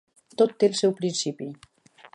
Tot té el seu principi.